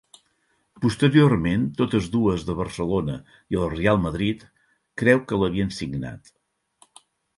Posteriorment, totes dues de Barcelona i el Reial Madrid creu que l'havien signat.